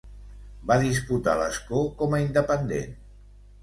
Va disputar l'escó com a independent.